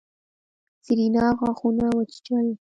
سېرېنا غاښونه وچيچل.